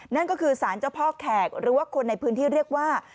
นั่นก็คือสารเจ้าพ่อแขกหรือว่าคนในพื้นที่เรียกว่า